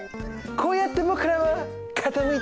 こうやって僕らは傾いていくんだね。